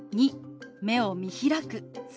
２目を見開く。